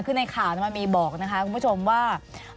คือในข่าวมันมีบอกนะคะคุณผู้ชมว่า